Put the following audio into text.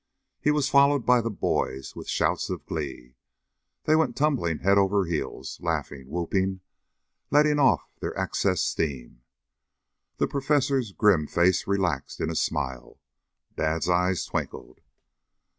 He was followed by the boys with shouts of glee. They went tumbling head over heels, laughing, whooping, letting off their excess steam. The Professor's grim face relaxed in a smile; Dad's eyes twinkled.